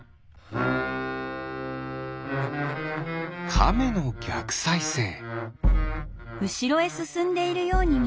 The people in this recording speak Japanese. カメのぎゃくさいせい。